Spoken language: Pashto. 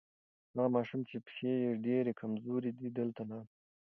هغه ماشوم چې پښې یې ډېرې کمزورې دي دلته ناست دی.